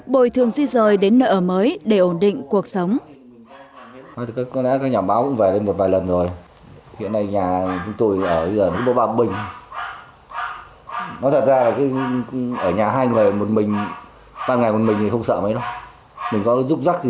bồi thường di rời đến nợ mới để ổn định cuộc sống